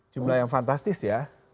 jumlah yang fantastis ya